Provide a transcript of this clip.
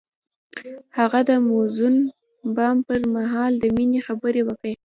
هغه د موزون بام پر مهال د مینې خبرې وکړې.